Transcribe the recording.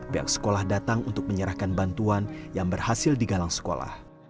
pihak sekolah datang untuk menyerahkan bantuan yang berhasil digalang sekolah